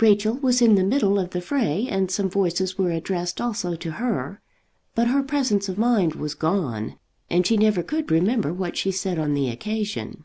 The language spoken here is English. Rachel was in the middle of the fray, and some voices were addressed also to her; but her presence of mind was gone, and she never could remember what she said on the occasion.